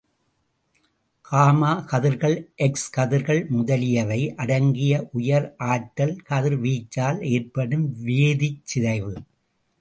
Gamma கதிர்கள், X கதிர்கள் முதலியவை அடங்கிய உயர் ஆற்றல் கதிர்வீச்சால் ஏற்படும் வேதிச் சிதைவு.